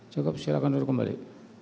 jawab silakan kembali